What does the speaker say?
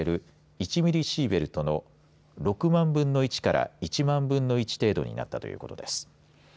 １ミリシーベルトの６万分の１から１万分の１程度になったということです。